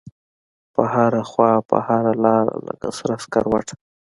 په هره خواپه هره لاره لکه سره سکروټه